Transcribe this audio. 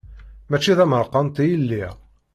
Mačči d ameṛkanti i lliɣ.